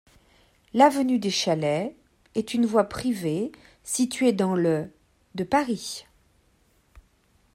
L'avenue des Chalets est une voie privée située dans le de Paris.